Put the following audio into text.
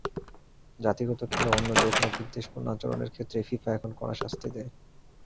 জাতিগত কিংবা অন্য যেকোনো বিদ্বেষপূর্ণ আচরণের ক্ষেত্রেই ফিফা এখন কড়া শাস্তি দেয়।